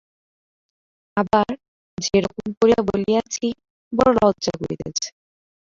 আবার, যে রকম করিয়া বলিয়াছি, বড়ো লজ্জা করিতেছে।